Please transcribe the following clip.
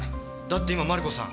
だって今マリコさん